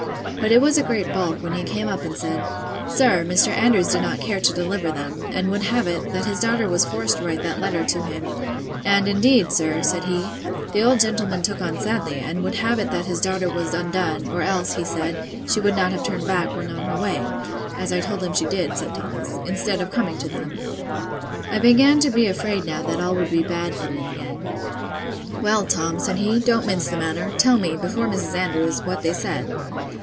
But it was a great balk, when he came up and said, Sir, Mr. Andrews did not care to deliver them; and would have it, that his daughter was forced to write that letter to him: and, indeed, sir, said he, the old gentleman took on sadly, and would have it that his daughter was undone, or else, he said, she would not have turned back, when on her way, (as I told him she did, said Thomas,) instead of coming to them. I began to be afraid now that all would be bad for me again. Well, Tom, said he, don't mince the matter; tell me, before Mrs. Andrews, what they said.